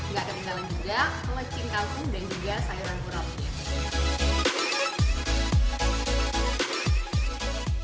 gak tertinggal juga pelecing kangkung dan juga sayuran urapnya